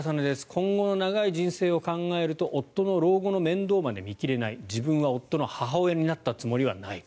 今後の長い人生を考えると夫の老後の面倒まで見切れない自分は夫の母親になったつもりはない。